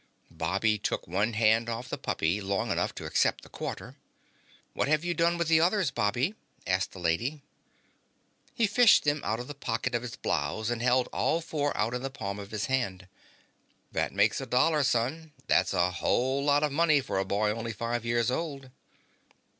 Bobby took one hand off the puppy long enough to accept the quarter. "What have you done with the others, Bobby?" asked the lady. He fished them out of the pocket of his blouse and held all four out in the palm of his hand. "That makes a dollar, son. That's a whole lot of money for a boy only five years old."